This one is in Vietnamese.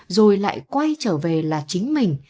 rồi lại quay trở về là chính mình